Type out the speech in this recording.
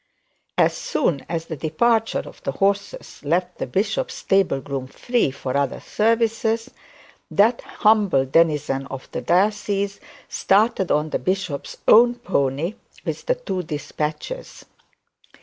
As soon as the departure of the horses left the bishop's stable groom free for other services, that humble denizen of the diocese started on the bishop's own pony with the two despatches.